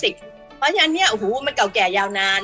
เพราะฉะนั้นเนี่ยสำคัญคือปุ๊บมันเก่าแก่อย่านาน